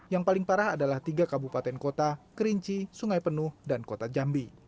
yang paling parah adalah tiga kabupaten kota kerinci sungai penuh dan kota jambi